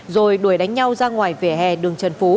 rồi đuổi đánh nhau ra ngoài vỉa hè đường trần phú